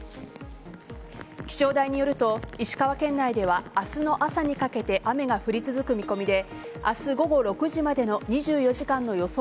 気象台によると石川県内では明日の朝にかけて雨が降り続く見込みで明日午後６時までの２４時間の予想